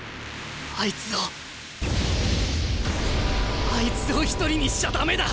あいつをあいつを一人にしちゃ駄目だ。